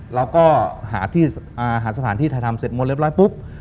เราก็หาสถานที่ถ่ายทำเสร็จหมดเรียบร้อยปุ๊บ